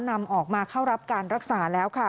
นำออกมาเข้ารับการรักษาแล้วค่ะ